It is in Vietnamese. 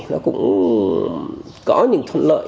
nó cũng có những thuận lợi